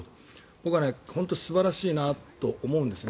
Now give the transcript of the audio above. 僕は本当に素晴らしいなと思うんですね。